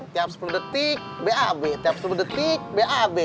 tiap sepuluh detik bab tiap sepuluh detik bab